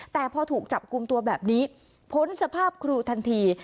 แต่พอถูกจับกลุ่มตัวแบบนี้พ้นสภาพครูทันที